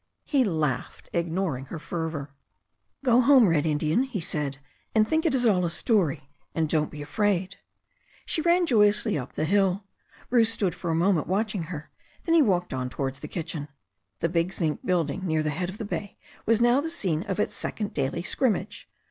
He laughed, ignoring her fervour. "Go home. Red Indian," he said, "and think it is all a story, and don't be afraid." She ran joyously up the hill. Bruce stood for a moment watching her; then he walked on towards the kitchen. The big zinc building near the head of the bay was now the scene of its second daily scrimmage.